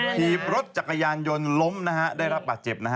พีบรถจักรยานยนต์ล้มได้รับบัตรเจ็บ